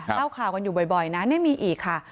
เล่าข่าวกันอยู่บ่อยนะนี่มีอีกค่ะ